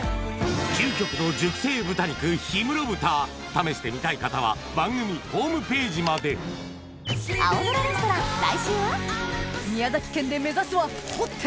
究極の熟成豚肉氷室豚試してみたい方は番組ホームページまで宮崎県で目指すは掘って！